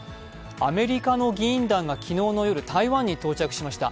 アメリカの議員団が昨日の夜台湾に到着しました。